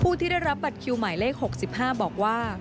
ที่ได้รับบัตรคิวหมายเลข๖๕บอกว่า